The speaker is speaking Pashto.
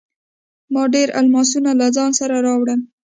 ما ډیر الماسونه له ځان سره راوړل.